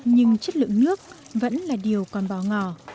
nhưng chất lượng nước vẫn là điều còn bò ngỏ